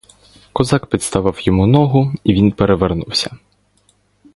Козак підставив йому ногу, і він перевернувся.